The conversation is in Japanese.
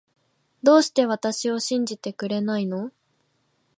どうして私を信じてくれないの